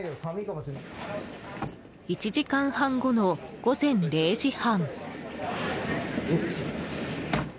１時間半後の午前０時半。